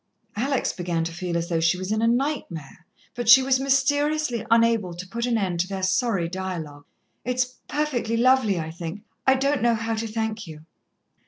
Alex began to feel as though she was in a nightmare, but she was mysteriously unable to put an end to their sorry dialogue. "It's perfectly lovely, I think. I don't know how to thank you."